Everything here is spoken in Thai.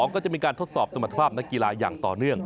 ก็จะมีการทดสอบสมรรถภาพนักกีฬาอย่างต่อเนื่อง